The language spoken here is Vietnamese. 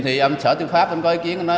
thì sở tư pháp có ý kiến